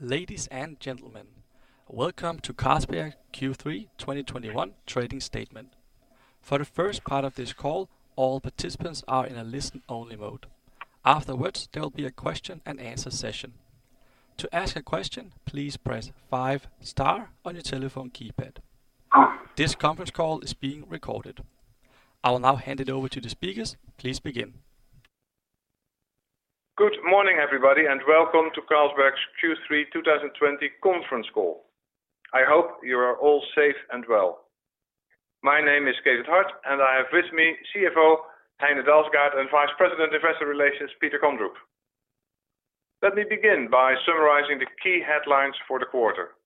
Ladies and gentlemen, welcome to Carlsberg Q3 2021 trading statement. For the first part of this call, all participants are in a listen-only mode. Afterwards, there will be a question and answer session. To ask a question, please press five star on your telephone keypad. This conference call is being recorded. I will now hand it over to the speakers. Please begin. Good morning, everybody, and welcome to Carlsberg's Q3 2020 conference call. I hope you are all safe and well. My name is Cees 't Hart, and I have with me CFO Heine Dalsgaard, and Vice President Investor Relations, Peter Kondrup. Let me begin by summarizing the key headlines for the quarter.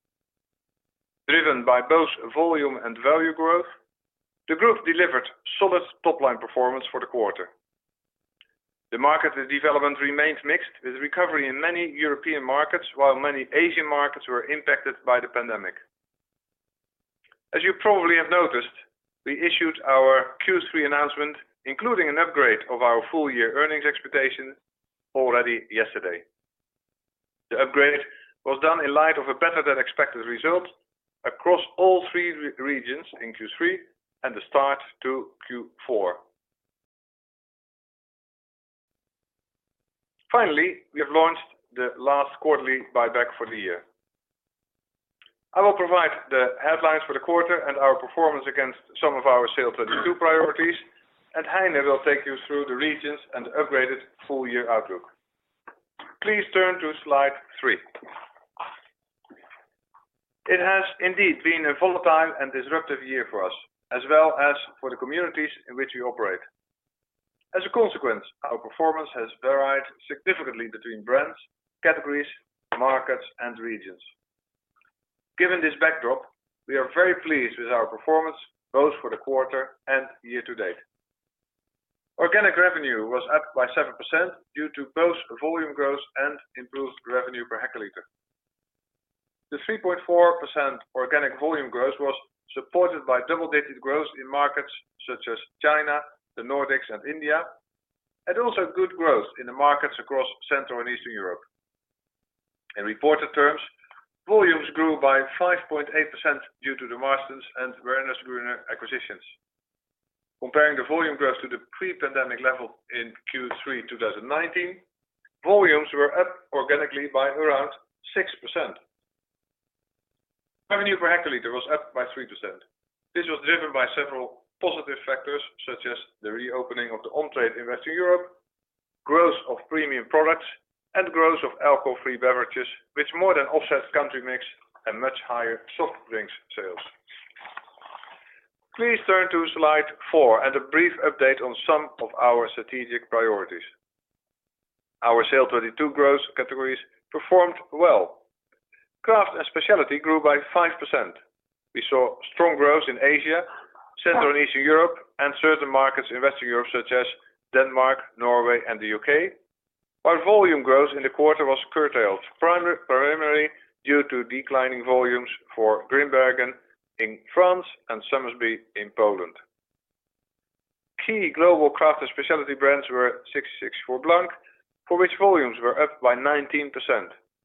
Driven by both volume and value growth, the group delivered solid top-line performance for the quarter. The market development remains mixed with recovery in many European markets, while many Asian markets were impacted by the pandemic. As you probably have noticed, we issued our Q3 announcement, including an upgrade of our full-year earnings expectation already yesterday. The upgrade was done in light of a better than expected result across all three regions in Q3 and the start to Q4. Finally, we have launched the last quarterly buyback for the year. I will provide the headlines for the quarter and our performance against some of our SAIL '22 priorities, and Heine will take you through the regions and upgraded full-year outlook. Please turn to slide three. It has indeed been a volatile and disruptive year for us, as well as for the communities in which we operate. As a consequence, our performance has varied significantly between brands, categories, markets, and regions. Given this backdrop, we are very pleased with our performance, both for the quarter and year to date. Organic revenue was up by 7% due to both volume growth and improved revenue per hectolitre. The 3.4% organic volume growth was supported by double-digit growth in markets such as China, the Nordics, and India, and also good growth in the markets across Central and Eastern Europe. In reported terms, volumes grew by 5.8% due to the Marston's and Wernesgrüner acquisitions. Comparing the volume growth to the pre-pandemic level in Q3 2019, volumes were up organically by around 6%. Revenue per hectolitre was up by 3%. This was driven by several positive factors, such as the reopening of the on-trade in Western Europe, growth of premium products, and growth of alcohol-free beverages, which more than offsets country mix and much higher soft drinks sales. Please turn to slide four and a brief update on some of our strategic priorities. Our SAIL '22 growth categories performed well. Craft and specialty grew by 5%. We saw strong growth in Asia, Central and Eastern Europe and certain markets in Western Europe such as Denmark, Norway and the UK. While volume growth in the quarter was curtailed, primarily due to declining volumes for Grimbergen in France and Somersby in Poland. Key global craft and specialty brands were 1664 Blanc, for which volumes were up by 19%,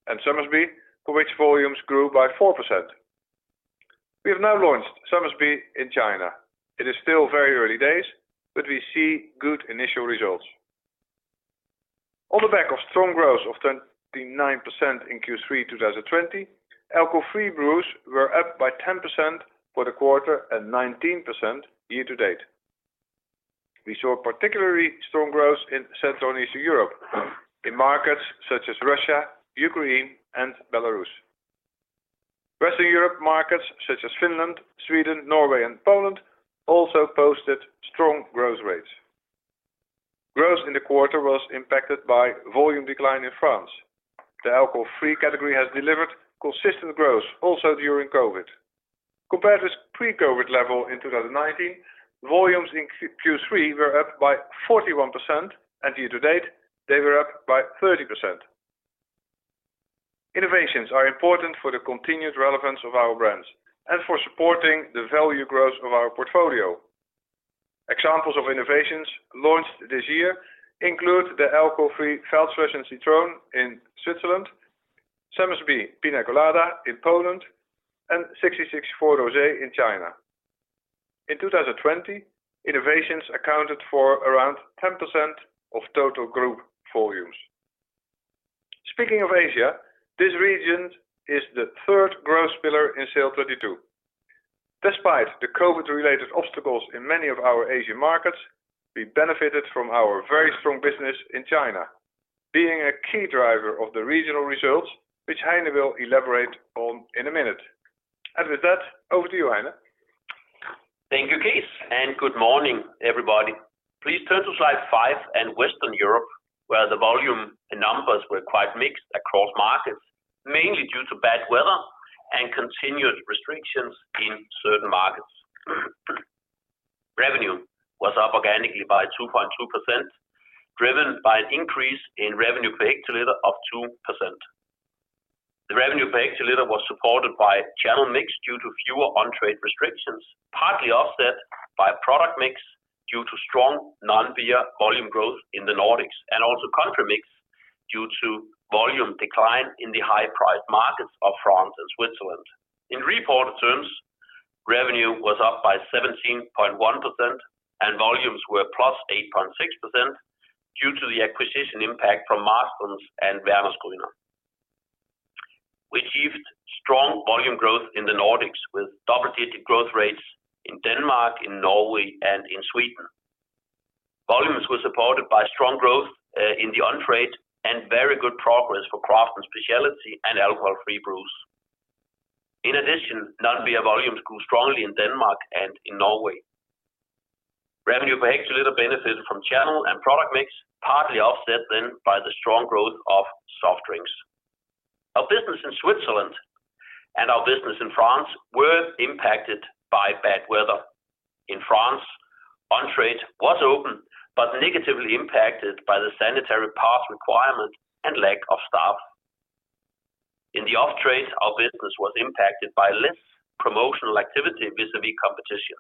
and Somersby, for which volumes grew by 4%. We have now launched Somersby in China. It is still very early days, but we see good initial results. On the back of strong growth of 29% in Q3 2020, alcohol-free brews were up by 10% for the quarter and 19% year to date. We saw particularly strong growth in Central and Eastern Europe in markets such as Russia, Ukraine, and Belarus. Western Europe markets such as Finland, Sweden, Norway, and Poland also posted strong growth rates. Growth in the quarter was impacted by volume decline in France. The alcohol-free category has delivered consistent growth also during COVID. Compared with pre-COVID level in 2019, volumes in Q3 were up by 41%, and year to date, they were up by 30%. Innovations are important for the continued relevance of our brands and for supporting the value growth of our portfolio. Examples of innovations launched this year include the alcohol-free Feldschlösschen Citron in Switzerland, Somersby Piña Colada in Poland, and 1664 Rosé in China. In 2020, innovations accounted for around 10% of total group volumes. Speaking of Asia, this region is the third growth pillar in SAIL '22. Despite the COVID-related obstacles in many of our Asian markets, we benefited from our very strong business in China, being a key driver of the regional results, which Heine will elaborate on in a minute. With that, over to you, Heine. Thank you, Cees, and good morning, everybody. Please turn to slide five and Western Europe, where the volume and numbers were quite mixed across markets, mainly due to bad weather and continued restrictions in certain markets. Revenue was up organically by 2.2%, driven by an increase in revenue per hectolitre of 2%. Revenue per hectolitre was supported by channel mix due to fewer on-trade restrictions, partly offset by product mix due to strong non-beer volume growth in the Nordics and also country mix due to volume decline in the high-priced markets of France and Switzerland. In reported terms, revenue was up by 17.1% and volumes were +8.6% due to the acquisition impact from Marston's and Wernesgrüner. We achieved strong volume growth in the Nordics with double-digit growth rates in Denmark, in Norway, and in Sweden. Volumes were supported by strong growth in the on-trade and very good progress for craft and specialty and alcohol-free brews. In addition, non-beer volumes grew strongly in Denmark and in Norway. Revenue per hectolitre benefited from channel and product mix, partly offset then by the strong growth of soft drinks. Our business in Switzerland and our business in France were impacted by bad weather. In France, on-trade was open but negatively impacted by the sanitary pass requirement and lack of staff. In the off-trade, our business was impacted by less promotional activity vis-a-vis competition.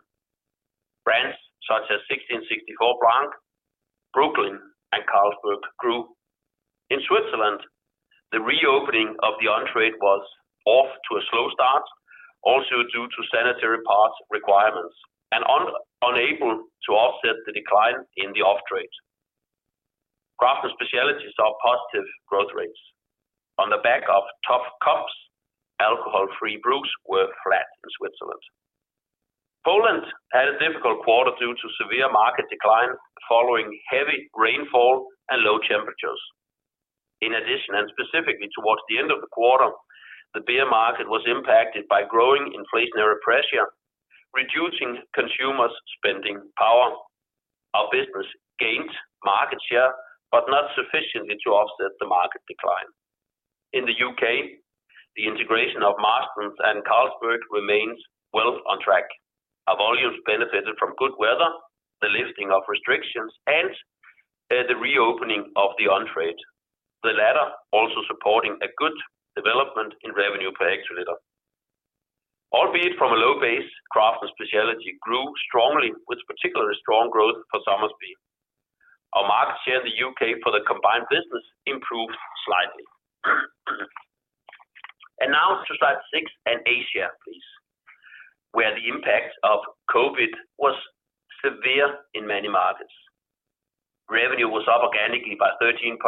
Brands such as 1664 Blanc, Brooklyn, and Carlsberg grew. In Switzerland, the reopening of the on-trade was off to a slow start, also due to sanitary pass requirements and unable to offset the decline in the off-trade. Craft and specialty saw positive growth rates. On the back of tough comps, alcohol-free brews were flat in Switzerland. Poland had a difficult quarter due to severe market decline following heavy rainfall and low temperatures. In addition, and specifically towards the end of the quarter, the beer market was impacted by growing inflationary pressure, reducing consumers' spending power. Our business gained market share, but not sufficiently to offset the market decline. In the U.K., the integration of Marston's and Carlsberg remains well on track. Our volumes benefited from good weather, the lifting of restrictions, and the reopening of the on-trade. The latter also supporting a good development in revenue per hectolitre. Albeit from a low base, craft and specialty grew strongly with particularly strong growth for Somersby. Our market share in the U.K. for the combined business improved slightly. Now to slide six and Asia, please, where the impact of COVID was severe in many markets. Revenue was up organically by 13.3%.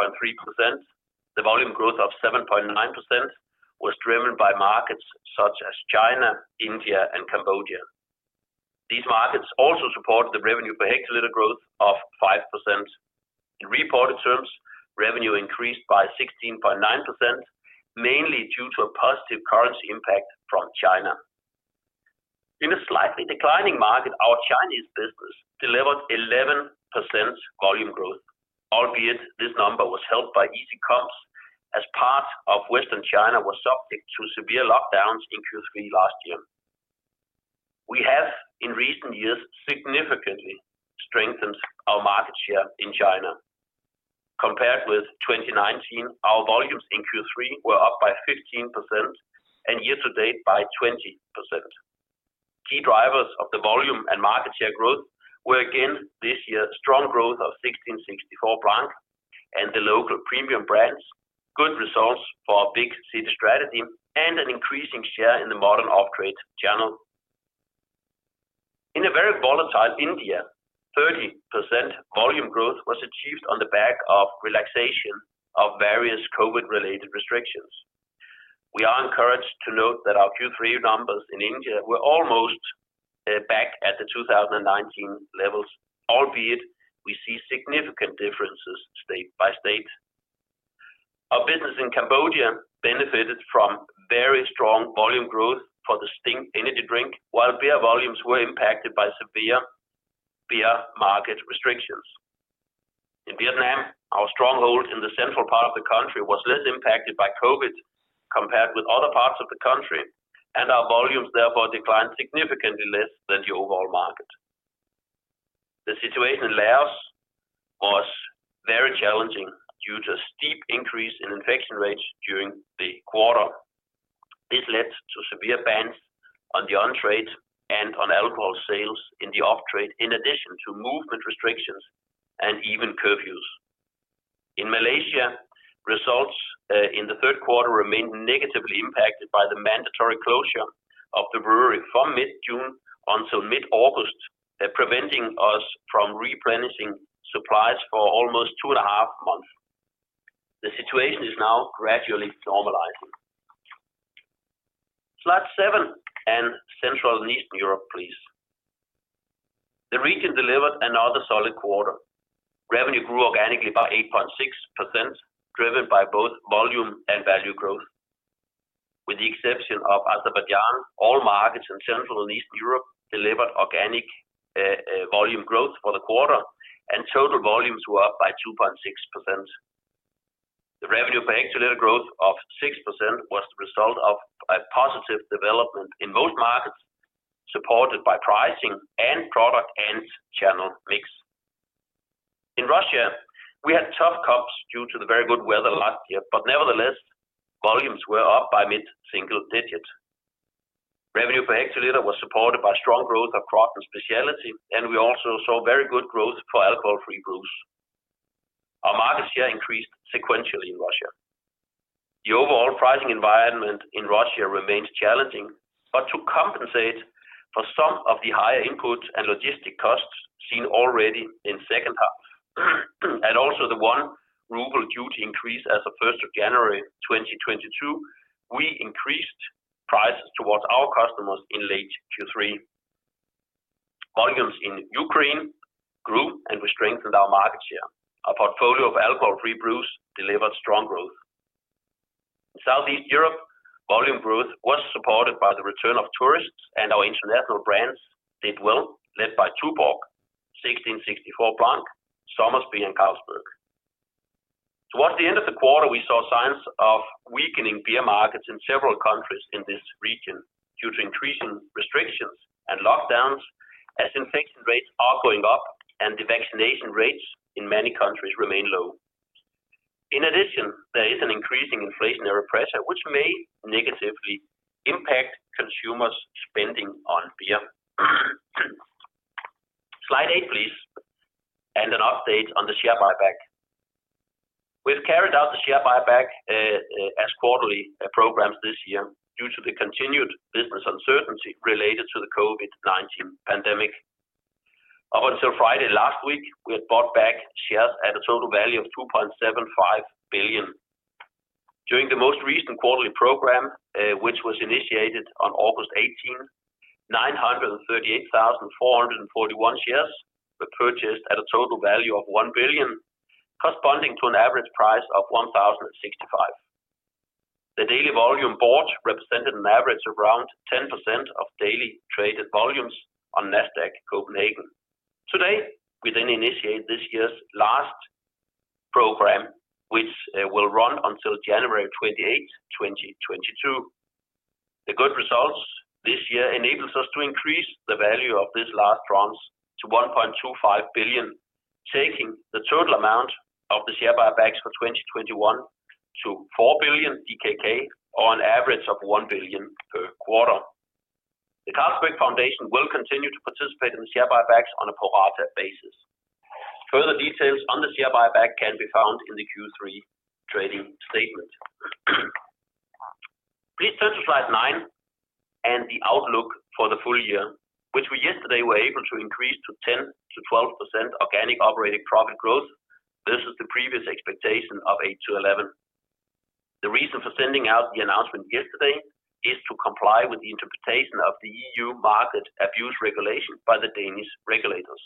The volume growth of 7.9% was driven by markets such as China, India, and Cambodia. These markets also supported the revenue per hectolitre growth of 5%. In reported terms, revenue increased by 16.9%, mainly due to a positive currency impact from China. In a slightly declining market, our Chinese business delivered 11% volume growth, albeit this number was helped by easy comps as parts of Western China were subject to severe lockdowns in Q3 last year. We have, in recent years, significantly strengthened our market share in China. Compared with 2019, our volumes in Q3 were up by 15% and year-to-date by 20%. Key drivers of the volume and market share growth were again this year strong growth of 1664 Blanc and the local premium brands, good results for our Big City strategy, and an increasing share in the modern off-trade channel. In a very volatile India, 30% volume growth was achieved on the back of relaxation of various COVID-related restrictions. We are encouraged to note that our Q3 numbers in India were almost back at the 2019 levels, albeit we see significant differences state by state. Our business in Cambodia benefited from very strong volume growth for the Sting energy drink, while beer volumes were impacted by severe beer market restrictions. In Vietnam, our stronghold in the central part of the country was less impacted by COVID compared with other parts of the country, and our volumes therefore declined significantly less than the overall market. The situation in Laos was very challenging due to steep increase in infection rates during the quarter. This led to severe bans on the on-trade and on alcohol sales in the off-trade, in addition to movement restrictions and even curfews. In Malaysia, results in the Q3 remained negatively impacted by the mandatory closure of the brewery from mid-June until mid-August, preventing us from replenishing supplies for almost two and a half months. The situation is now gradually normalizing. Slide seven and Central and Eastern Europe, please. The region delivered another solid quarter. Revenue grew organically by 8.6%, driven by both volume and value growth. With the exception of Azerbaijan, all markets in Central and Eastern Europe delivered organic volume growth for the quarter, and total volumes were up by 2.6%. The revenue per hectoliter growth of 6% was the result of a positive development in most markets, supported by pricing and product and channel mix. We had tough comps due to the very good weather last year, but nevertheless, volumes were up by mid-single digit. Revenue per hectoliter was supported by strong growth of cider and specialty, and we also saw very good growth for alcohol-free brews. Our market share increased sequentially in Russia. The overall pricing environment in Russia remains challenging, but to compensate for some of the higher inputs and logistics costs seen already in second half, and also the 1 ruble duty increase as of 1 January 2022, we increased prices towards our customers in late Q3. Volumes in Ukraine grew, and we strengthened our market share. Our portfolio of alcohol-free brews delivered strong growth. In Southeast Europe, volume growth was supported by the return of tourists, and our international brands did well, led by Tuborg, 1664 Blanc, Somersby, and Carlsberg. Towards the end of the quarter, we saw signs of weakening beer markets in several countries in this region due to increasing restrictions and lockdowns as infection rates are going up and the vaccination rates in many countries remain low. In addition, there is an increasing inflationary pressure which may negatively impact consumer spending on beer. Slide eight, please. An update on the share buyback. We've carried out the share buyback as quarterly programs this year due to the continued business uncertainty related to the COVID-19 pandemic. Up until Friday last week, we had bought back shares at a total value of 2.75 billion. During the most recent quarterly program, which was initiated on August 18, 938,441 shares were purchased at a total value of 1 billion, corresponding to an average price of 1,065. The daily volume bought represented an average of around 10% of daily traded volumes on Nasdaq Copenhagen. Today, we initiate this year's last program, which will run until 28 January 2022. The good results this year enables us to increase the value of this last tranche to 1.25 billion, taking the total amount of the share buybacks for 2021 to 4 billion DKK on average of 1 billion per quarter. The Carlsberg Foundation will continue to participate in the share buybacks on a pro rata basis. Further details on the share buyback can be found in the Q3 trading statement. Please turn to slide nine and the outlook for the full year, which we yesterday were able to increase to 10%-12% organic operating profit growth versus the previous expectation of 8%-11%. The reason for sending out the announcement yesterday is to comply with the interpretation of the EU Market Abuse Regulation by the Danish regulators.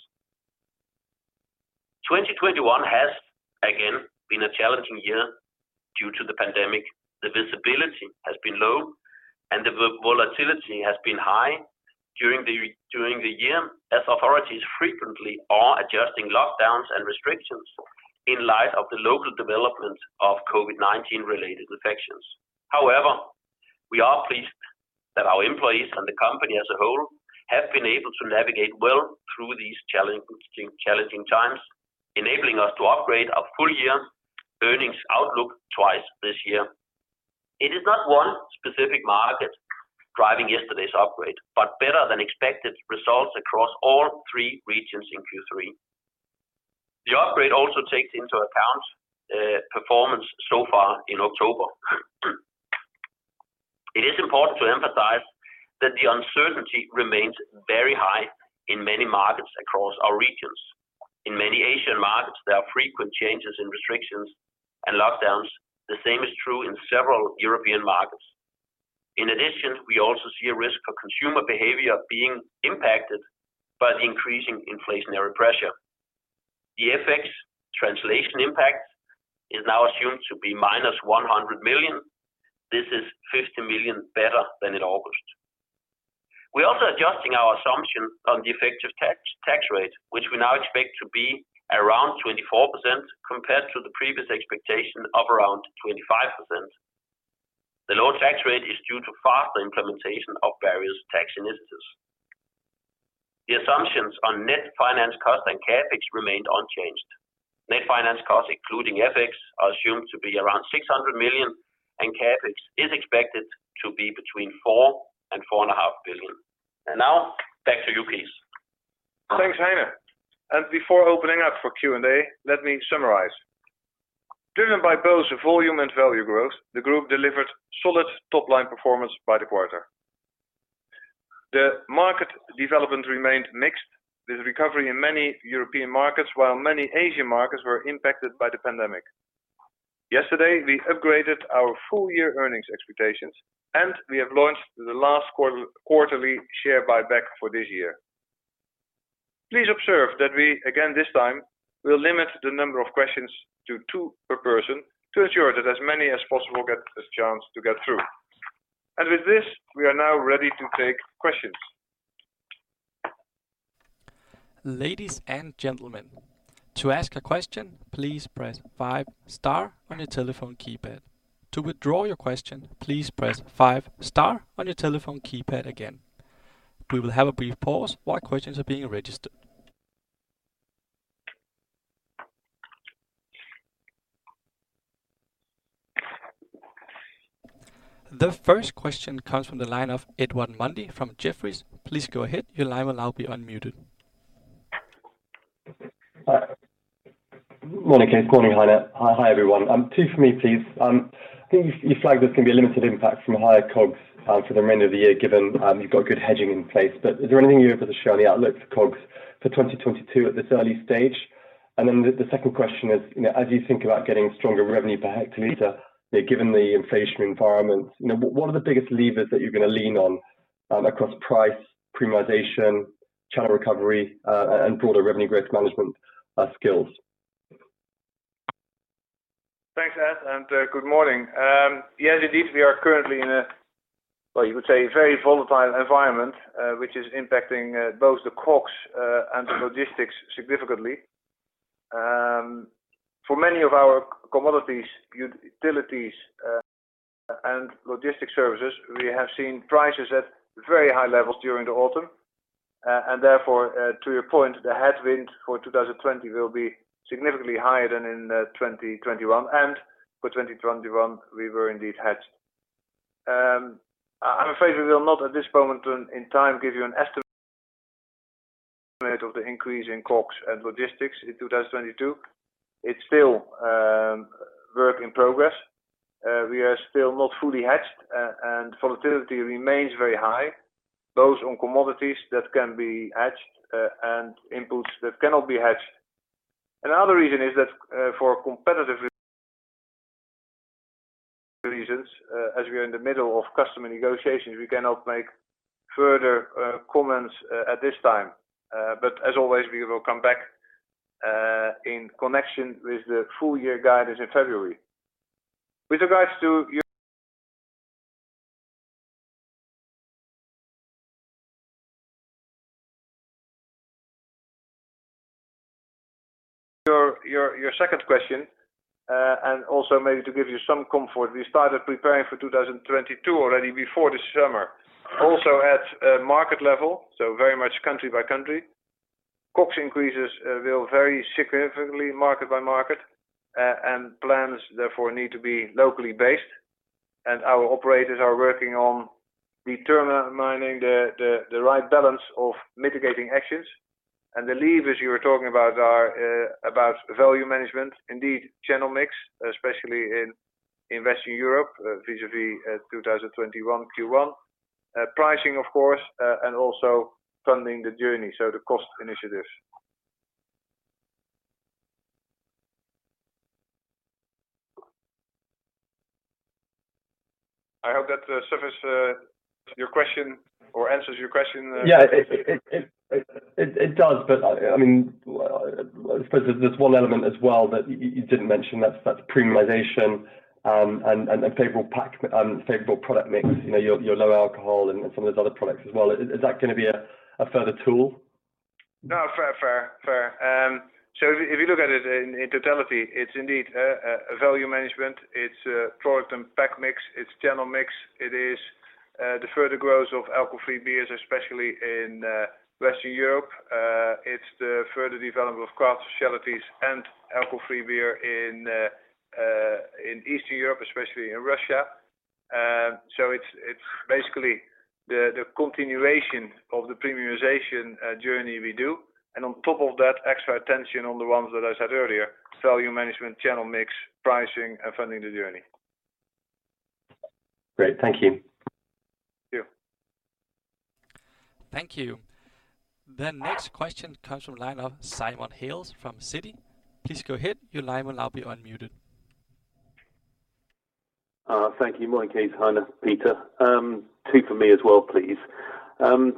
2021 has again been a challenging year due to the pandemic. The visibility has been low, and the volatility has been high during the year as authorities frequently are adjusting lockdowns and restrictions in light of the local development of COVID-19 related infections. However, we are pleased that our employees and the company as a whole have been able to navigate well through these challenging times, enabling us to upgrade our full year earnings outlook twice this year. It is not one specific market driving yesterday's upgrade, but better than expected results across all three regions in Q3. The upgrade also takes into account performance so far in October. It is important to emphasize that the uncertainty remains very high in many markets across our regions. In many Asian markets, there are frequent changes in restrictions and lockdowns. The same is true in several European markets. In addition, we also see a risk of consumer behavior being impacted by the increasing inflationary pressure. The FX translation impact is now assumed to be -100 million. This is 50 million better than in August. We're also adjusting our assumptions on the effective tax rate, which we now expect to be around 24% compared to the previous expectation of around 25%. The lower tax rate is due to faster implementation of various tax initiatives. The assumptions on net finance costs and CapEx remained unchanged. Net finance costs, including FX, are assumed to be around 600 million, and CapEx is expected to be 4 billion-4.5 billion. Now back to you, Cees. Thanks, Heine. Before opening up for Q&A, let me summarize. Driven by both volume and value growth, the group delivered solid top-line performance for the quarter. The market development remained mixed with recovery in many European markets, while many Asian markets were impacted by the pandemic. Yesterday, we upgraded our full-year earnings expectations, and we have launched the last quarterly share buyback for this year. Please observe that we, again this time, will limit the number of questions to two per person to ensure that as many as possible get a chance to get through. With this, we are now ready to take questions. Ladies and gentlemen, to ask a question, please press five star on your telephone keypad. To withdraw your question, please press five star on your telephone keypad again. We will have a brief pause while questions are being registered. The first question comes from the line of Edward Mundy from Jefferies. Please go ahead. Your line will now be unmuted. Hi. Morning, Cees 't Hart. Morning, Heine Dalsgaard. Hi, everyone. Two for me, please. I think you flagged that there can be a limited impact from higher COGS for the remainder of the year, given you've got good hedging in place. Is there anything you can do to show on the outlook for COGS for 2022 at this early stage? Then the second question is, you know, as you think about getting stronger revenue per hectoliter, you know, given the inflation environment, you know, what are the biggest levers that you're gonna lean on across price, premiumization, channel recovery, and broader revenue growth management skills? Thanks, Ed, and good morning. Yes, indeed, we are currently in a very volatile environment, which is impacting both the COGS and the logistics significantly. For many of our commodities, utilities, and logistics services, we have seen prices at very high levels during the autumn. To your point, the headwind for 2020 will be significantly higher than in 2021. For 2021, we were indeed hedged. I'm afraid we will not, at this moment in time, give you an estimate of the increase in COGS and logistics in 2022. It's still work in progress. We are still not fully hedged, and volatility remains very high, both on commodities that can be hedged and inputs that cannot be hedged. Another reason is that, for competitive reasons, as we are in the middle of customer negotiations, we cannot make further comments at this time. As always, we will come back in connection with the full year guidance in February. With regards to your second question, and also maybe to give you some comfort, we started preparing for 2022 already before this summer. Also at a market level, so very much country by country, COGS increases will vary significantly market by market. Plans therefore need to be locally based, and our operators are working on determining the right balance of mitigating actions. The levers you are talking about are about value management, indeed channel mix, especially in Western Europe, vis-à-vis 2021 Q1. Pricing of course, and also funding the journey, so the cost initiatives. I hope that suffice your question or answers your question. Yeah. It does, but I mean, I suppose there's one element as well that you didn't mention. That's premiumization, and a favorable pack, favorable product mix. You know, your low alcohol and some of those other products as well. Is that gonna be a further tool? No. Fair. So if you look at it in totality, it's indeed a value management. It's product and pack mix. It is the further growth of alcohol-free beers, especially in Western Europe. It's the further development of craft specialties and alcohol-free beer in Eastern Europe, especially in Russia. So it's basically the continuation of the premiumization journey we do. On top of that, extra attention on the ones that I said earlier: value management, channel mix, pricing, and funding the journey. Great. Thank you. Thank you. Thank you. The next question comes from the line of Simon Hales from Citi. Please go ahead. Your line will now be unmuted. Thank you. Morning, Cees, Heine, Peter. Two for me as well, please. Guys,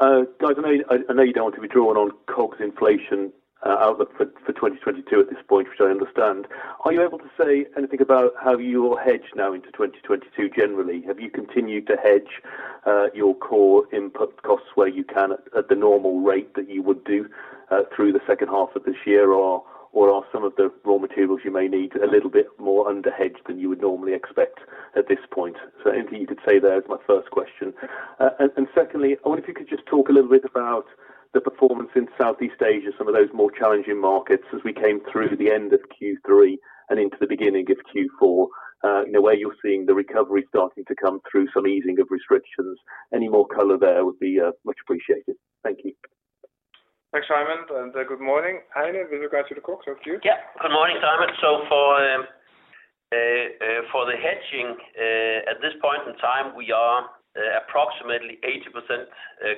I know you don't want to be drawn on COGS inflation outlook for 2022 at this point, which I understand. Are you able to say anything about how you will hedge now into 2022 generally? Have you continued to hedge your core input costs where you can at the normal rate that you would do through the second half of this year? Or are some of the raw materials you may need a little bit more under-hedged than you would normally expect at this point? So anything you could say there is my first question. Secondly, I wonder if you could just talk a little bit about the performance in Southeast Asia, some of those more challenging markets as we came through the end of Q3 and into the beginning of Q4. You know, where you're seeing the recovery starting to come through, some easing of restrictions. Any more color there would be much appreciated. Thank you. Thanks, Simon, and good morning. Heine, with regards to the COGS, over to you. Good morning, Simon. For the hedging at this point in time, we are approximately 80%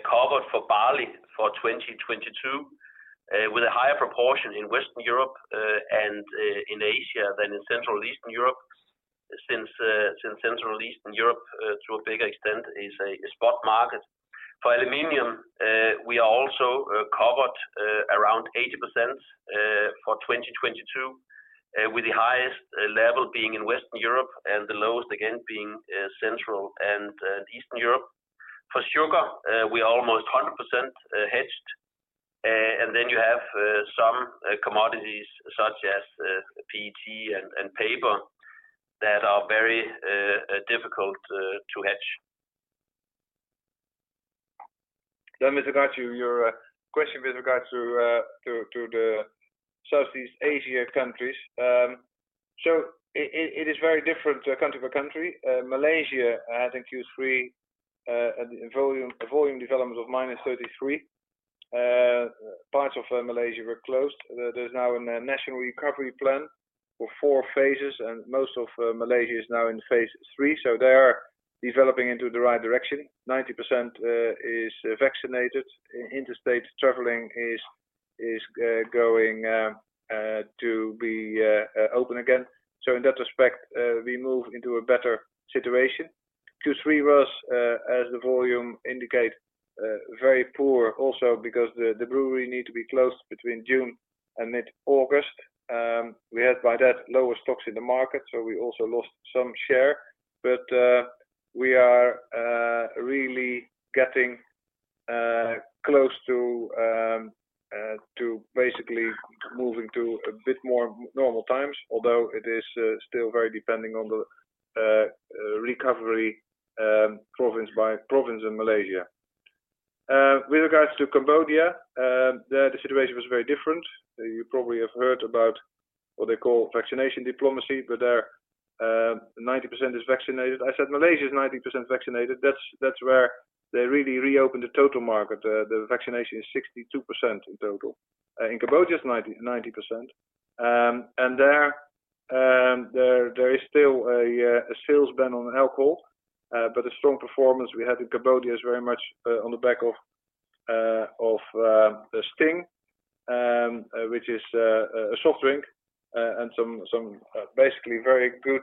covered for barley for 2022 with a higher proportion in Western Europe and in Asia than in Central and Eastern Europe since Central and Eastern Europe to a bigger extent is a spot market. For aluminum, we are also covered around 80% for 2022 with the highest level being in Western Europe and the lowest again being Central and Eastern Europe. For sugar, we are almost 100% hedged. Commodities such as PET and paper that are very difficult to hedge. With regards to your question with regards to the Southeast Asia countries. It is very different country per country. Malaysia had in Q3 a volume development of -33%. Parts of Malaysia were closed. There's now a national recovery plan for four phases, and most of Malaysia is now in phase three, so they are developing into the right direction. 90% is vaccinated. Interstate traveling is going to be open again. In that respect, we move into a better situation. Q3 was, as the volume indicate, very poor also because the brewery need to be closed between June and mid-August. We had by that lower stocks in the market, so we also lost some share. We are really getting close to basically moving to a bit more normal times, although it is still very dependent on the recovery province by province in Malaysia. With regards to Cambodia, there the situation was very different. You probably have heard about what they call vaccination diplomacy, but there 90% is vaccinated. I said Malaysia is 90% vaccinated. That's where they really reopened the total market. The vaccination is 62% in total. In Cambodia it's 90%. And there is still a sales ban on alcohol, but the strong performance we had in Cambodia is very much on the back of Sting, which is a soft drink. Some basically very good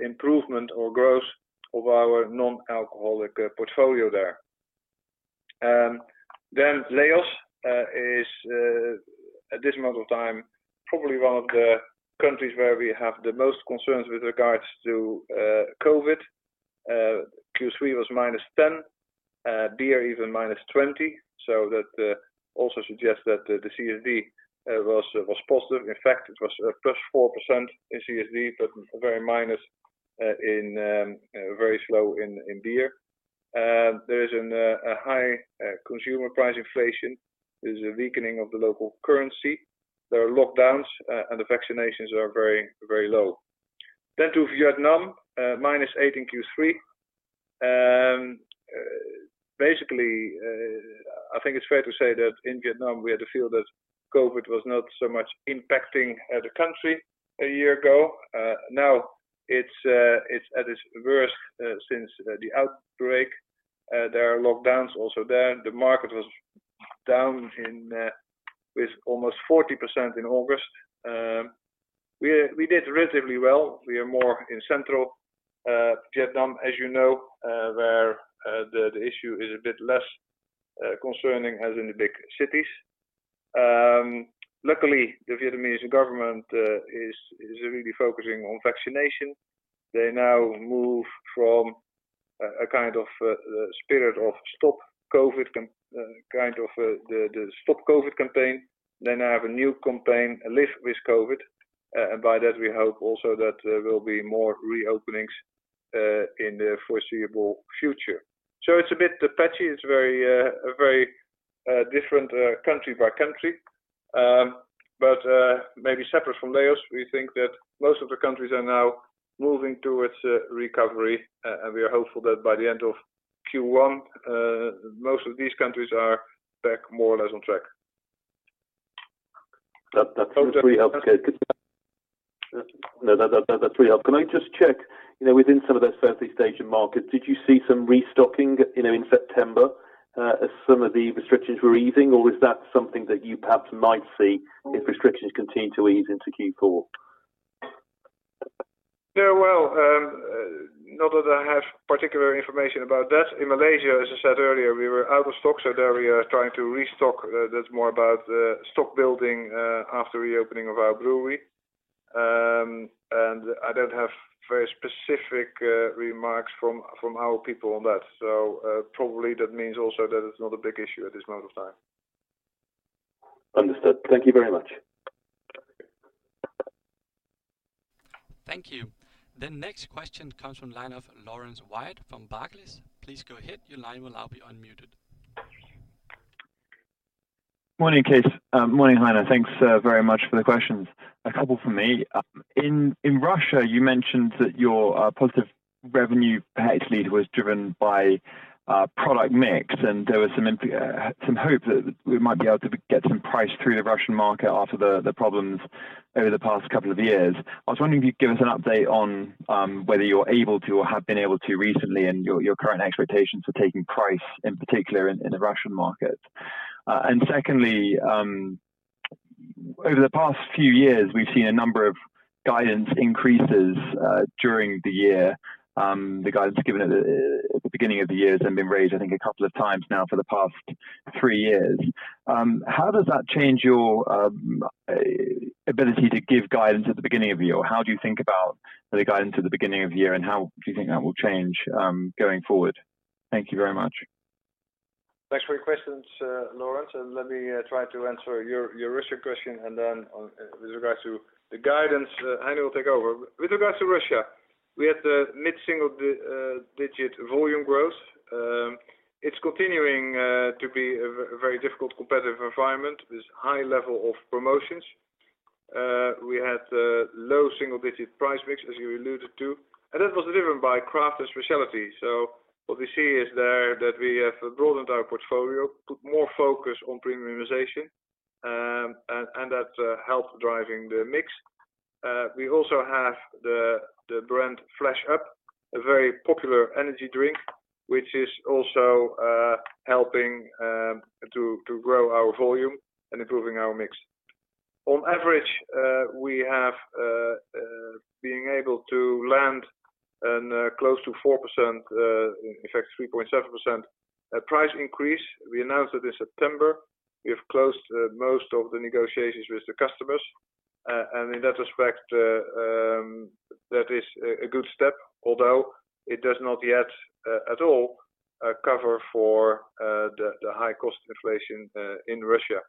improvement or growth of our non-alcoholic portfolio there. Laos is at this moment of time, probably one of the countries where we have the most concerns with regards to COVID. Q3 was -10%, beer even -20%. That also suggests that the CSD was positive. In fact, it was +4% in CSD, but very slow in beer. There is a high consumer price inflation. There's a weakening of the local currency. There are lockdowns, and the vaccinations are very, very low. To Vietnam, -8% in Q3. Basically, I think it's fair to say that in Vietnam we had the feel that COVID was not so much impacting the country a year ago. Now it's at its worst since the outbreak. There are lockdowns also there. The market was down with almost 40% in August. We did relatively well. We are more in central Vietnam, as you know, where the issue is a bit less concerning as in the big cities. Luckily, the Vietnamese government is really focusing on vaccination. They now move from a kind of the stop COVID campaign. They now have a new campaign, Live with COVID. By that we hope also that there will be more reopenings in the foreseeable future. It's a bit patchy. It's a very different country by country. Maybe separate from Laos, we think that most of the countries are now moving towards recovery. We are hopeful that by the end of Q1, most of these countries are back more or less on track. That, that's really helpful. okay No, that's really helpful. Can I just check, you know, within some of those Southeast Asian markets, did you see some restocking, you know, in September, as some of the restrictions were easing? Or is that something that you perhaps might see if restrictions continue to ease into Q4? Yeah. Well, not that I have particular information about that. In Malaysia, as I said earlier, we were out of stock, so there we are trying to restock. That's more about stock building after reopening of our brewery. I don't have very specific remarks from our people on that. Probably that means also that it's not a big issue at this moment of time. Understood. Thank you very much. Thank you. The next question comes from the line of Laurence Whyatt from Barclays. Please go ahead. Your line will now be unmuted. Morning, Cees. Morning, Heine. Thanks very much for the questions. A couple from me. In Russia, you mentioned that your positive revenue per hectolitre was driven by product mix, and there was some hope that we might be able to get some price through the Russian market after the problems over the past couple of years. I was wondering if you'd give us an update on whether you're able to or have been able to recently and your current expectations for taking price, in particular in the Russian market. Secondly, over the past few years, we've seen a number of guidance increases during the year. The guidance given at the beginning of the year has then been raised I think a couple of times now for the past three years. How does that change your ability to give guidance at the beginning of the year? How do you think about the guidance at the beginning of the year, and how do you think that will change, going forward? Thank you very much. Thanks for your questions, Laurence, and let me try to answer your Russia question and then with regards to the guidance, Heine will take over. With regards to Russia, we had mid-single-digit volume growth. It's continuing to be a very difficult competitive environment with high level of promotions. We had low single-digit price mix, as you alluded to, and that was driven by craft and specialty. What we see is there that we have broadened our portfolio, put more focus on premiumization, and that helped driving the mix. We also have the brand Flash Up, a very popular energy drink, which is also helping to grow our volume and improving our mix. On average, we have been able to land a close to 4%, in fact 3.7%, price increase. We announced it in September. We have closed most of the negotiations with the customers. In that respect, that is a good step, although it does not yet at all cover for the high cost inflation in Russia.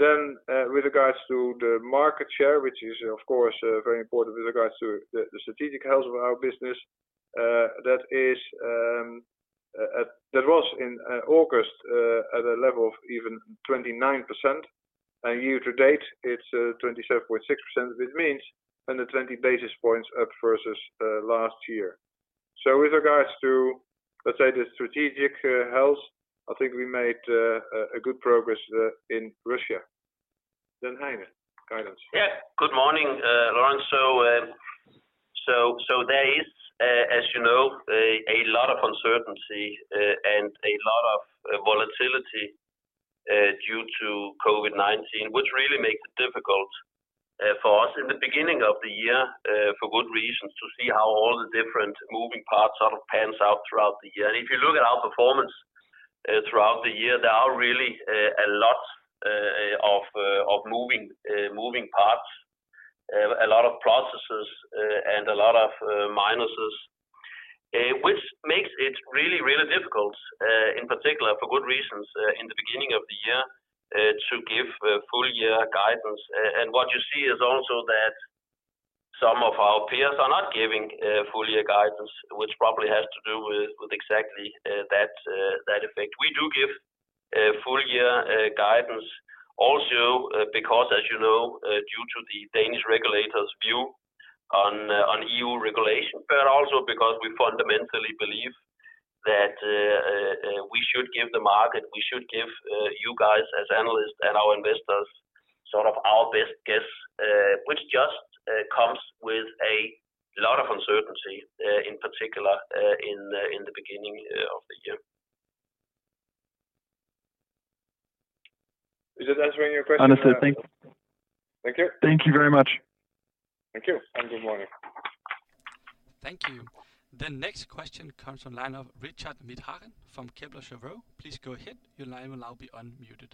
With regards to the market share, which is of course very important with regards to the strategic health of our business, that was in August at a level of even 29%. Year to date, it's 27.6%, which means under 20 basis points up versus last year. With regards to, let's say, the strategic health, I think we made a good progress in Russia. Heine, guidance. Yeah. Good morning, Laurence. There is, as you know, a lot of uncertainty and a lot of volatility due to COVID-19, which really makes it difficult for us in the beginning of the year, for good reasons, to see how all the different moving parts sort of pans out throughout the year. If you look at our performance throughout the year, there are really a lot of moving parts, a lot of processes, and a lot of minuses, which makes it really, really difficult, in particular for good reasons, in the beginning of the year, to give full year guidance. What you see is also that some of our peers are not giving full-year guidance, which probably has to do with exactly that effect. We do give full-year guidance also, because as you know, due to the Danish regulators' view on EU regulation, but also because we fundamentally believe that we should give the market you guys as analysts and our investors sort of our best guess, which just comes with a lot of uncertainty, in particular, in the beginning of the year. Is that answering your question? Honestly, thank- Thank you very much. Thank you, and good morning. Thank you. The next question comes from the line of Richard Withagen from Kepler Cheuvreux. Please go ahead. Your line will now be unmuted.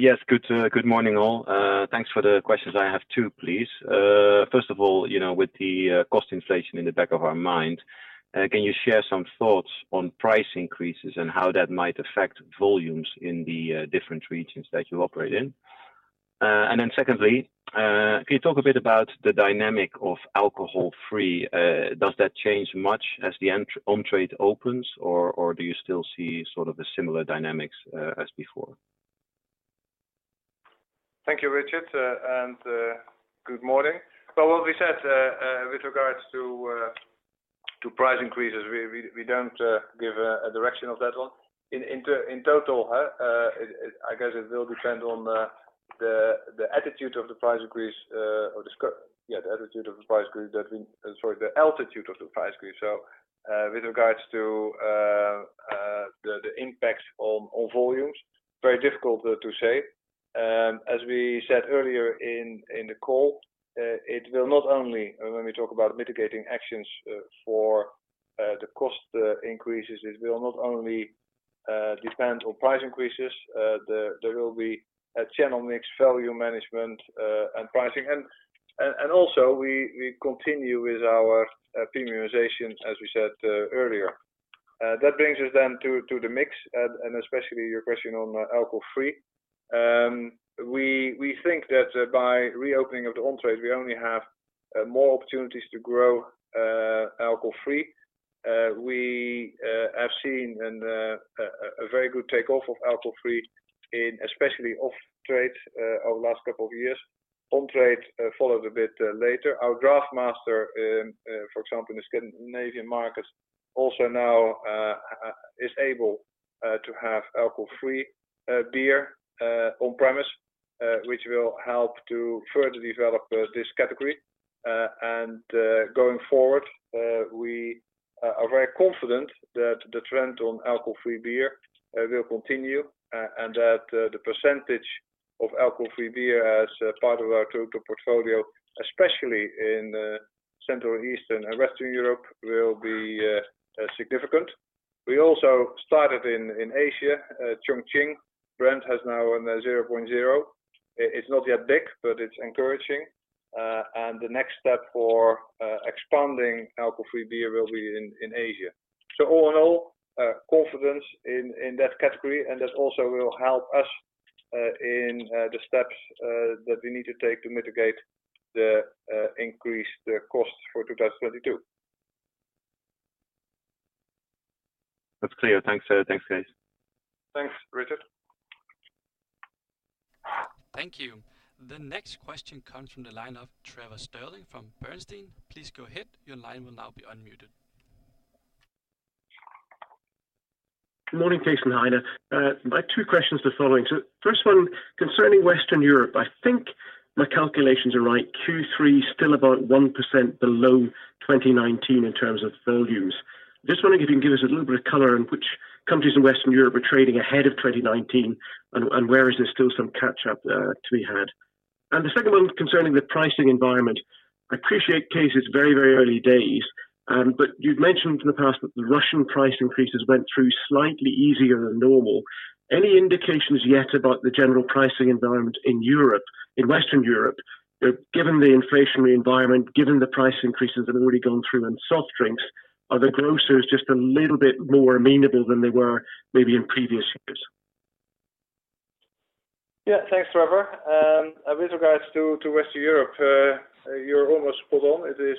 Yes. Good morning, all. Thanks for the questions. I have two, please. First of all, you know, with the cost inflation in the back of our mind, can you share some thoughts on price increases and how that might affect volumes in the different regions that you operate in? And then secondly, can you talk a bit about the dynamic of alcohol free? Does that change much as the on-trade opens or do you still see sort of a similar dynamics as before? Thank you, Richard. Good morning. Well, what we said with regards to price increases, we don't give a direction of that one. In total, I guess it will depend on the altitude of the price increase. With regards to the impacts on volumes, very difficult to say. As we said earlier in the call, it will not only, when we talk about mitigating actions for the cost increases, depend on price increases. There will be a channel mix, volume management, and pricing. Also we continue with our premiumization, as we said earlier. That brings us to the mix and especially your question on alcohol-free. We think that by the reopening of the on-trade, we only have more opportunities to grow alcohol-free. We have seen a very good takeoff of alcohol-free in especially off-trade over the last couple of years. On-trade followed a bit later. Our DraughtMaster, for example, in the Scandinavian markets also now is able to have alcohol-free beer on-premise, which will help to further develop this category. Going forward, we are very confident that the trend on alcohol-free beer will continue, and that the percentage of alcohol-free beer as a part of our total portfolio, especially in Central, Eastern, and Western Europe, will be significant. We also started in Asia. Chongqing brand has now a 0.0. It's not yet big, but it's encouraging. The next step for expanding alcohol-free beer will be in Asia. All in all, confidence in that category, and that also will help us in the steps that we need to take to mitigate the increasing costs for 2022. That's clear. Thanks, guys. Thanks, Richard. Thank you. The next question comes from the line of Trevor Stirling from Bernstein. Please go ahead. Your line will now be unmuted. Good morning, Cees and Heine. My two questions are the following. First one, concerning Western Europe, I think my calculations are right, Q3 still about 1% below 2019 in terms of volumes. Just wondering if you can give us a little bit of color on which countries in Western Europe are trading ahead of 2019 and where is there still some catch up to be had? The second one concerning the pricing environment. I appreciate Cees it's very, very early days, but you've mentioned in the past that the Russian price increases went through slightly easier than normal. Any indications yet about the general pricing environment in Europe, in Western Europe? Given the inflationary environment, given the price increases have already gone through in soft drinks, are the grocers just a little bit more amenable than they were maybe in previous years? Yeah. Thanks, Trevor. With regards to Western Europe, you're almost spot on. It is,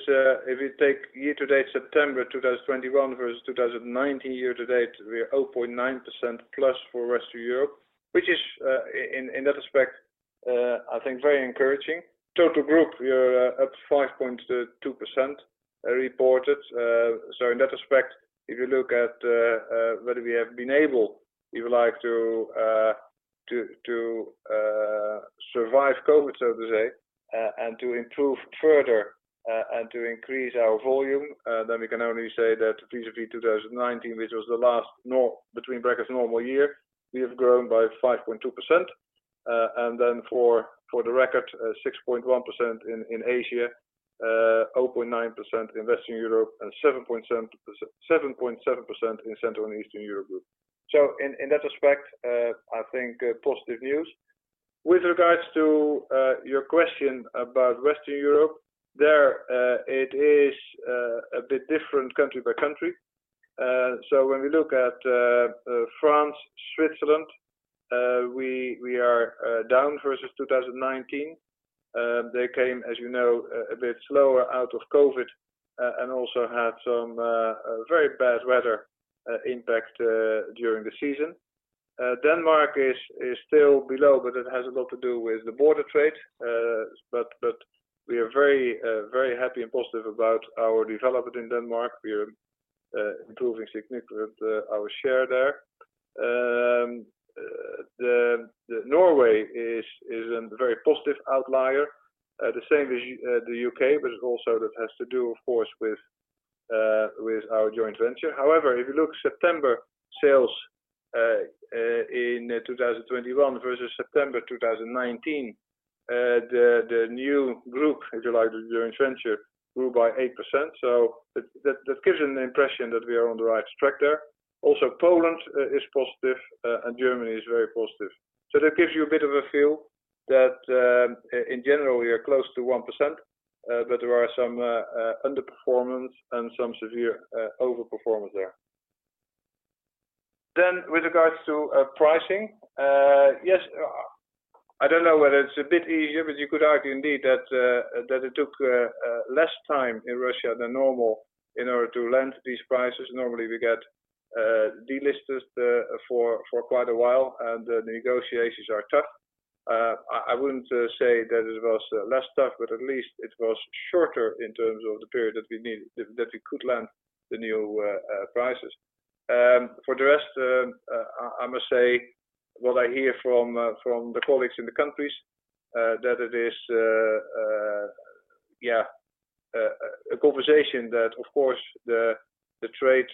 if you take year to date, September 2021 versus 2019 year to date, we are 0.9% plus for Western Europe, which is, in that respect, I think very encouraging. Total group, we are at 5.2% reported. So in that respect, if you look at whether we have been able, if you like, to survive COVID, so to say, and to improve further, and to increase our volume, then we can only say that vis-à-vis 2019, which was the last normal year, we have grown by 5.2%. For the record, 6.1% in Asia, 0.9% in Western Europe, and 7.7% in Central and Eastern Europe group. In that respect, I think positive news. With regards to your question about Western Europe, it is a bit different country by country. When we look at France, Switzerland, we are down versus 2019. They came, as you know, a bit slower out of COVID and also had some very bad weather impact during the season. Denmark is still below, but it has a lot to do with the border trade. We are very happy and positive about our development in Denmark. We are improving significantly our share there. Norway is a very positive outlier, the same as the U.K., but also that has to do, of course, with our joint venture. However, if you look September sales in 2021 versus September 2019, the new group, if you like, the joint venture grew by 8%. That gives you an impression that we are on the right track there. Also, Poland is positive and Germany is very positive. That gives you a bit of a feel that in general, we are close to 1%, but there are some underperformance and some severe overperformance there. With regards to pricing, yes, I don't know whether it's a bit easier, but you could argue indeed that it took less time in Russia than normal in order to land these prices. Normally, we get delisted for quite a while, and the negotiations are tough. I wouldn't say that it was less tough, but at least it was shorter in terms of the period that we could land the new prices. For the rest, I must say what I hear from the colleagues in the countries, that it is a conversation that of course the trade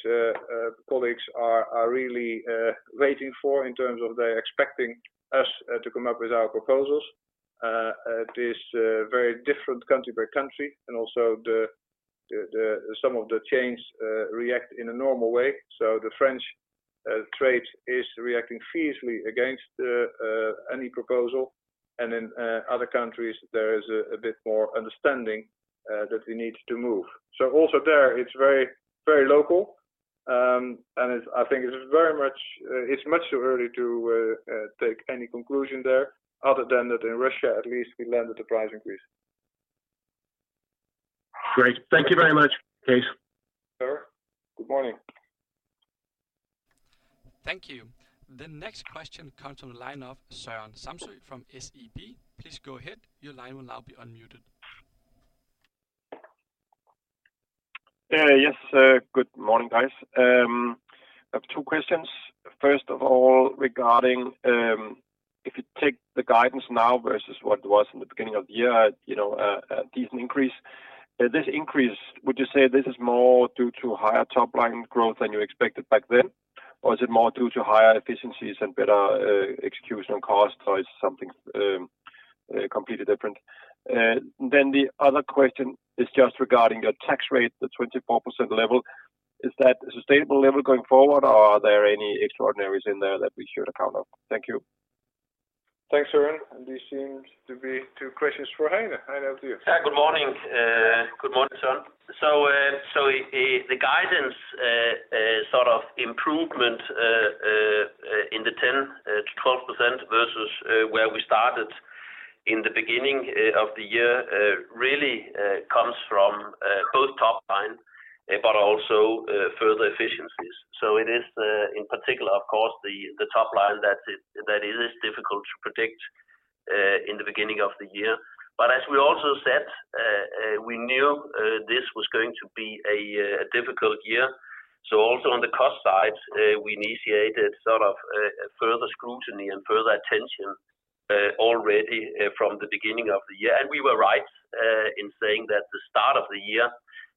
colleagues are really waiting for in terms of they're expecting us to come up with our proposals. It is very different country by country. Also some of the chains react in a normal way. The French trade is reacting fiercely against any proposal. In other countries, there is a bit more understanding that we need to move. Also there, it's very local. I think it's very much too early to take any conclusion there other than that in Russia, at least we landed the price increase. Great. Thank you very much, Cees. Trevor, good morning. Thank you. The next question comes from the line of Søren Samsøe from SEB. Please go ahead. Your line will now be unmuted. Good morning, guys. I have two questions. First of all, regarding if you take the guidance now versus what it was in the beginning of the year, you know, a decent increase. This increase, would you say this is more due to higher top-line growth than you expected back then? Or is it more due to higher efficiencies and better execution on costs or it's something? Completely different. The other question is just regarding your tax rate, the 24% level. Is that a sustainable level going forward, or are there any extraordinaries in there that we should account for? Thank you. Thanks, Søren. These seem to be two questions for Heine. Heine, up to you. Yeah. Good morning, Søren. The guidance sort of improvement in the 10%-12% versus where we started in the beginning of the year really comes from both top line, but also further efficiencies. It is in particular, of course, the top line that is difficult to predict in the beginning of the year. As we also said, we knew this was going to be a difficult year. Also on the cost side, we initiated sort of further scrutiny and further attention already from the beginning of the year. We were right in saying that the start of the year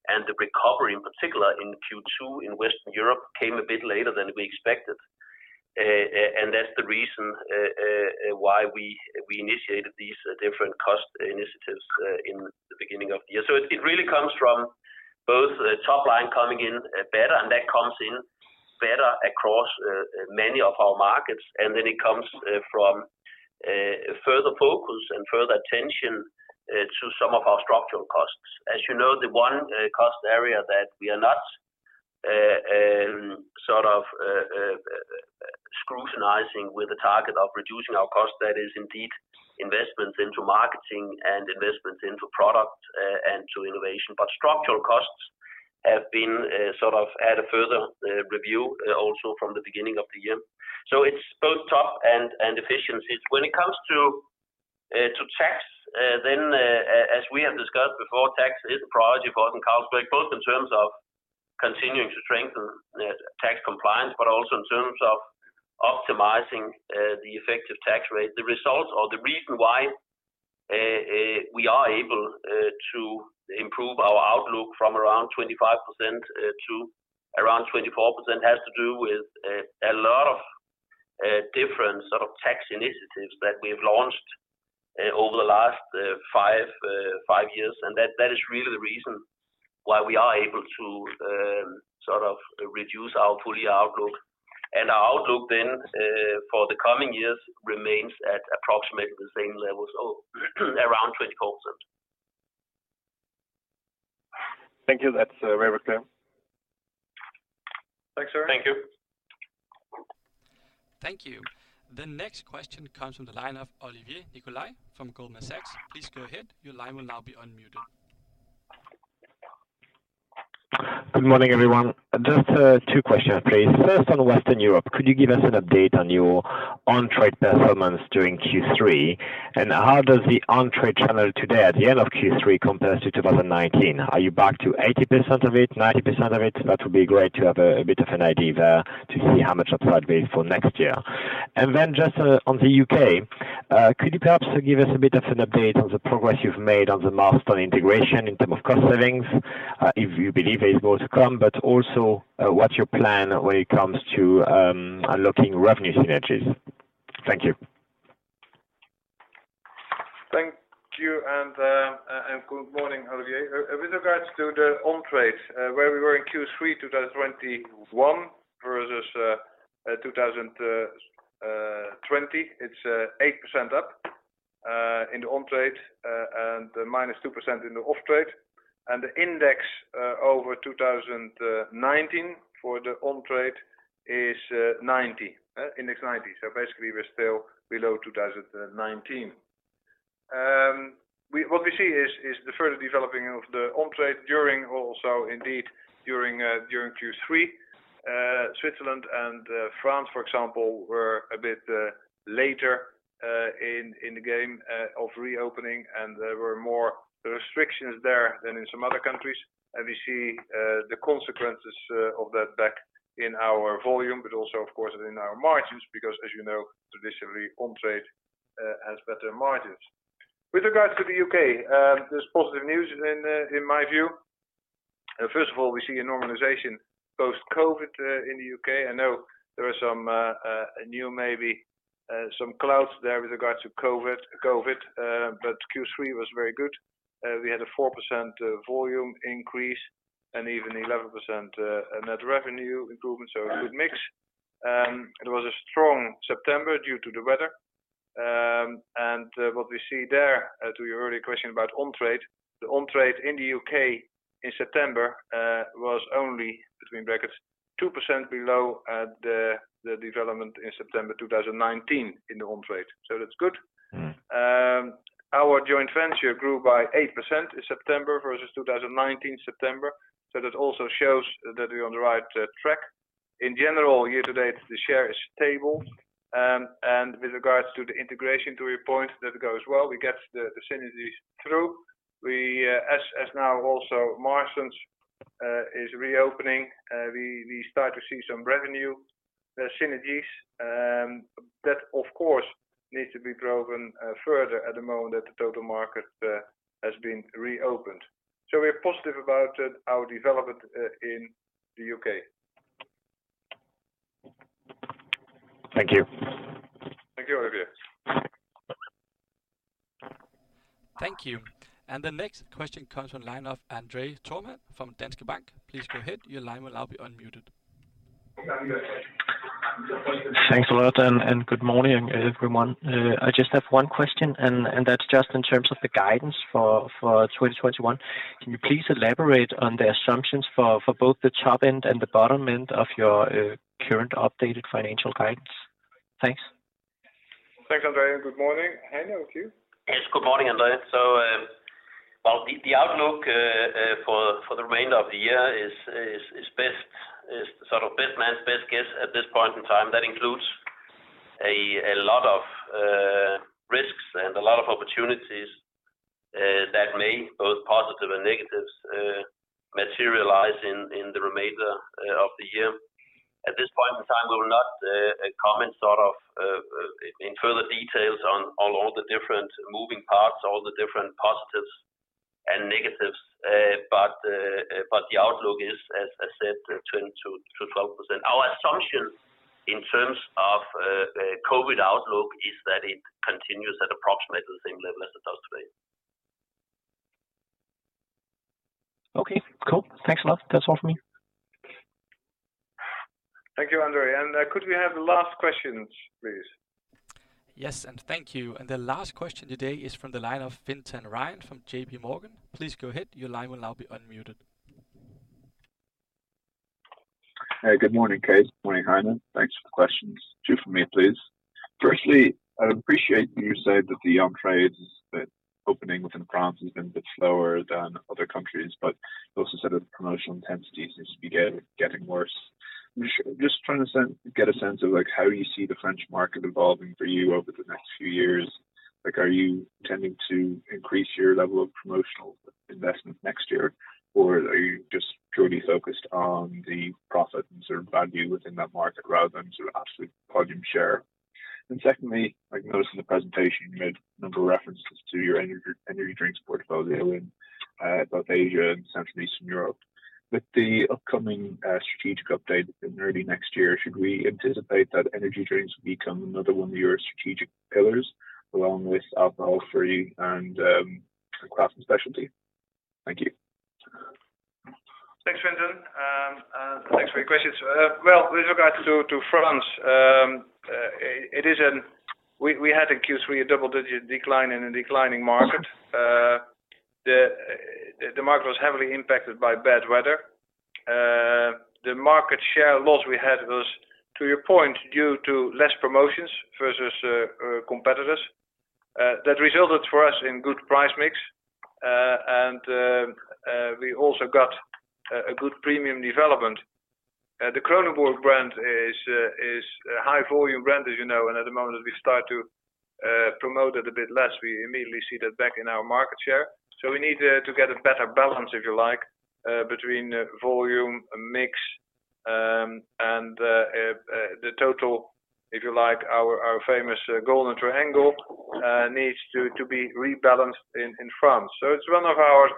and the recovery, in particular in Q2 in Western Europe, came a bit later than we expected. That's the reason why we initiated these different cost initiatives in the beginning of the year. It really comes from both top line coming in better, and that comes in better across many of our markets. It comes from further focus and further attention to some of our structural costs. As you know, the one cost area that we are not sort of scrutinizing with a target of reducing our cost, that is indeed investments into marketing and investments into product and to innovation. Structural costs have been sort of at a further review also from the beginning of the year. It's both top and efficiencies. When it comes to tax, as we have discussed before, tax is a priority for A/S. Carlsberg, both in terms of continuing to strengthen the tax compliance, but also in terms of optimizing the effective tax rate. The results or the reason why we are able to improve our outlook from around 25% to around 24% has to do with a lot of different sort of tax initiatives that we've launched over the last five years. That is really the reason why we are able to sort of reduce our full year outlook. Our outlook then for the coming years remains at approximately the same levels of around 24%. Thank you. That's very clear. Thanks, Søren. Thank you. Thank you. The next question comes from the line of Olivier Nicolai from Goldman Sachs. Please go ahead. Your line will now be unmuted. Good morning, everyone. Just, two questions, please. First, on Western Europe, could you give us an update on your on-trade performance during Q3? How does the on-trade channel today at the end of Q3 compare to 2019? Are you back to 80% of it, 90% of it? That would be great to have a bit of an idea there to see how much that's going to be for next year. Then just on the U.K., could you perhaps give us a bit of an update on the progress you've made on the Marston's integration in terms of cost savings, if you believe there's more to come, but also, what's your plan when it comes to unlocking revenue synergies? Thank you. Thank you and good morning, Olivier. With regards to the on-trade, where we were in Q3 2021 versus 2020, it's 8% up in the on-trade and -2% in the off-trade. The index over 2019 for the on-trade is 90. Index 90. Basically, we're still below 2019. What we see is the further developing of the on-trade during also indeed during Q3. Switzerland and France, for example, were a bit later in the game of reopening, and there were more restrictions there than in some other countries. We see the consequences of that back in our volume, but also of course in our margins, because as you know, traditionally, on-trade has better margins. With regards to the U.K., there's positive news in my view. First of all, we see a normalization post-COVID-19 in the U.K. I know there are some new, maybe, some clouds there with regards to COVID-19, but Q3 was very good. We had a 4% volume increase and even 11% net revenue improvement, so a good mix. It was a strong September due to the weather. What we see there, to your earlier question about on-trade, the on-trade in the U.K. in September was only, between brackets, 2% below the development in September 2019 in the on-trade. That's good. Mm-hmm. Our joint venture grew by 8% in September versus September 2019. That also shows that we're on the right track. In general, year to date, the share is stable. With regards to the integration, to your point, that goes well. We get the synergies through. We, as now also Marston's is reopening, we start to see some revenue synergies. That of course needs to be driven further at the moment that the total market has been reopened. We're positive about our development in the U.K. Thank you. Thank you, Olivier. Thank you. The next question comes from the line of André Thormann from Danske Bank. Please go ahead. Your line will now be unmuted. Thanks a lot and good morning everyone. I just have one question, and that's just in terms of the guidance for 2021. Can you please elaborate on the assumptions for both the top end and the bottom end of your current updated financial guidance? Thanks. Thanks, André. Good morning. Heine, to you. Yes. Good morning, André. The outlook for the remainder of the year is sort of our best guess at this point in time. That includes a lot of risks and a lot of opportunities that may, both positive and negative, materialize in the remainder of the year. At this point in time, we will not comment sort of in further details on all the different moving parts, all the different positives and negatives. The outlook is, as I said, 10%-12%. Our assumption in terms of COVID outlook is that it continues at approximately the same level as it does today. Okay. Cool. Thanks a lot. That's all from me. Thank you, André. Could we have the last questions, please? Yes, and thank you. The last question today is from the line of Fintan Ryan from JPMorgan. Please go ahead. Your line will now be unmuted. Hey, good morning, Cees. Morning, Heine. Thanks for the questions. Two from me, please. Firstly, I appreciate you said that the on-trade opening within France has been a bit slower than other countries, but you also said that the promotional intensity seems to be getting worse. Just trying to get a sense of, like, how you see the French market evolving for you over the next few years. Like, are you tending to increase your level of promotional investment next year, or are you just purely focused on the profit and sort of value within that market rather than sort of absolute volume share? And secondly, I noticed in the presentation you made a number of references to your energy drinks portfolio in both Asia and Central and Eastern Europe. With the upcoming strategic update in early next year, should we anticipate that energy drinks will become another one of your strategic pillars along with alcohol-free and craft and specialty? Thank you. Thanks, Fintan. Thanks for your questions. Well, with regards to France, we had in Q3 a double-digit decline in a declining market. The market was heavily impacted by bad weather. The market share loss we had was, to your point, due to less promotions versus competitors. That resulted for us in good price mix. We also got a good premium development. The Kronenbourg brand is a high volume brand, as you know, and at the moment as we start to promote it a bit less, we immediately see that back in our market share. We need to get a better balance, if you like, between volume, mix, and the total, if you like, our famous golden triangle needs to be rebalanced in France. It's one of our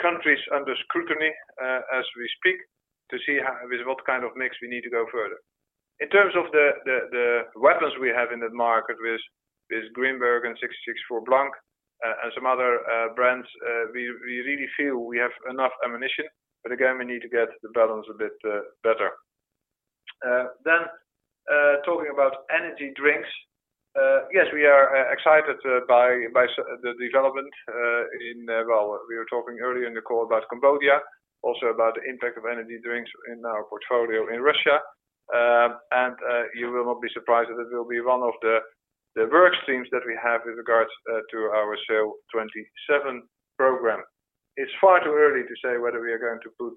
countries under scrutiny, as we speak, to see how, with what kind of mix, we need to go further. In terms of the weapons we have in that market with Grimbergen and 1664 Blanc and some other brands, we really feel we have enough ammunition, but again, we need to get the balance a bit better. Talking about energy drinks, yes, we are excited by the development in well, we were talking earlier in the call about Cambodia, also about the impact of energy drinks in our portfolio in Russia. You will not be surprised that it will be one of the work streams that we have with regards to our SAIL '27 program. It's far too early to say whether we are going to put,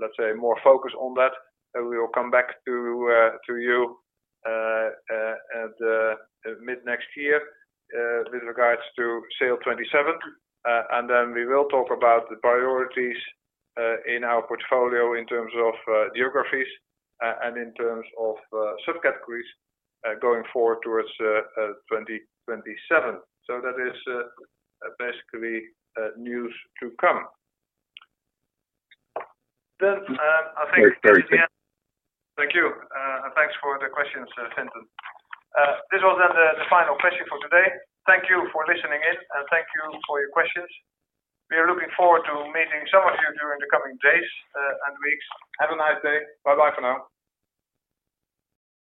let's say, more focus on that. We will come back to you at mid-next year with regards to SAIL '27. We will talk about the priorities in our portfolio in terms of geographies and in terms of subcategories going forward towards 2027. That is basically news to come. I think this is the end. Very clear. Thank you. Thanks for the questions, Fintan. This was then the final question for today. Thank you for listening in, and thank you for your questions. We are looking forward to meeting some of you during the coming days, and weeks. Have a nice day. Bye-bye for now.